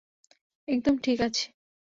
একদম ঠিক আছি!